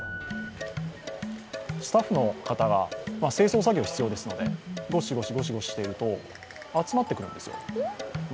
スタッフの方が清掃作業、必要ですのでゴシゴシしていると集まってくるんですよ。